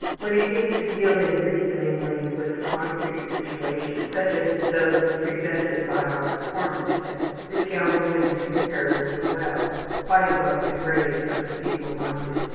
When it came to dealing reasoningly with concrete situations, such as those presented by our performance tests, this young woman did comparatively well quite above the grade of the feebleminded.